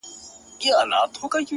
بنگړي نه غواړم”